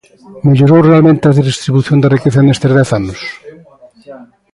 ¿Mellorou realmente a redistribución da riqueza nestes dez anos?